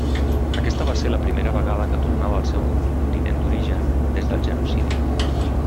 Aquesta va ser la primera vegada que tornava al seu continent d'origen des del genocidi.